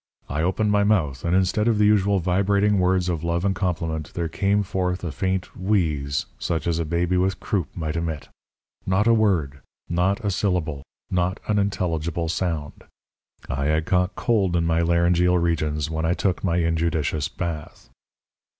I opened my mouth, and instead of the usual vibrating words of love and compliment, there came forth a faint wheeze such as a baby with croup might emit. Not a word not a syllable not an intelligible sound. I had caught cold in my laryngeal regions when I took my injudicious bath.